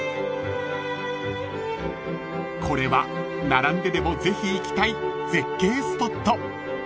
［これは並んででもぜひ行きたい絶景スポット］